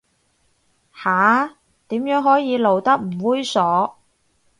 下，點樣可以露得唔猥褻